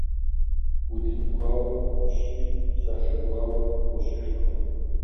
Удын гуауэр мэгъущри, псалъэ гуауэр гъущыжыркъым.